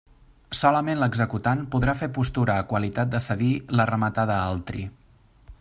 Solament l'executant podrà fer postura a qualitat de cedir la rematada a altri.